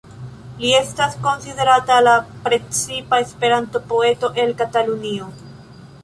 Li estas konsiderata la precipa Esperanto-poeto el Katalunio.